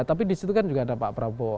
tapi disitu kan juga ada pak prabowo